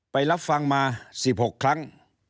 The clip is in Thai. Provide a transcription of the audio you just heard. รับฟังมา๑๖ครั้ง